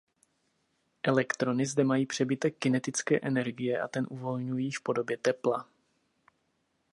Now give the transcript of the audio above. Elektrony zde mají přebytek kinetické energie a ten uvolňují v podobě tepla.